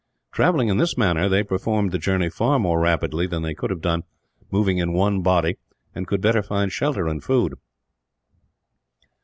Travelling in this manner, they performed the journey far more rapidly than they could have done moving in one body, and could better find shelter and food.